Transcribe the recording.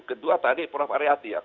kedua tadi prof aryati ya